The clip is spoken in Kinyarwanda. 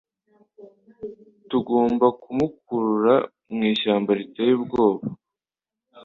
Tugomba kumukurura mu ishyamba riteye ubwoba